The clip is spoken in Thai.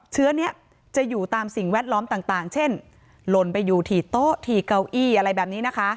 เชื้อนี้จะอยู่ตามสิ่งแวดล้อมต่างเช่นหล่นไปอยู่ที่โต๊ะถี่เก้าอี้อะไรแบบนี้นะคะ